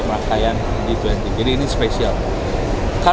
panatya dan mas dina